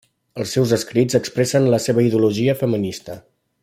Els seus escrits expressen la seva ideologia feminista.